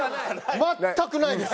全くないです。